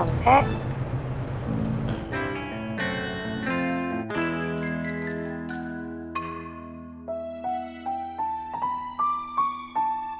neng selvi kok duduk di depan sih